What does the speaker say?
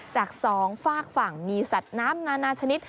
จาก๒ฝากฝั่งมีสัตว์น้ำนานาชนิด